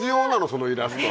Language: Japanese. そのイラスト。